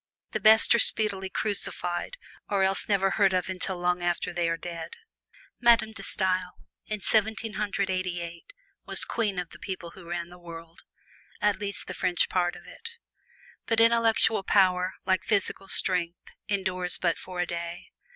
The best are speedily crucified, or else never heard of until long after they are dead. Madame De Stael, in Seventeen Hundred Eighty eight, was queen of the people who ran the world at least the French part of it. But intellectual power, like physical strength, endures but for a day.